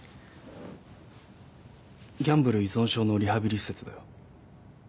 ギャンブル依存症のリハビリ施設だよ。